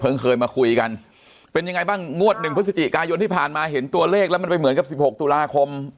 เคยมาคุยกันเป็นยังไงบ้างงวดหนึ่งพฤศจิกายนที่ผ่านมาเห็นตัวเลขแล้วมันไปเหมือนกับสิบหกตุลาคม